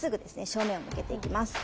正面を向けていきます。